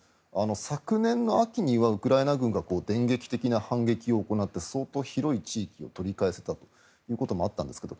昨年の秋にはウクライナ軍が電撃的な反撃を行って相当広い地域を取り返せたということもあったんですけど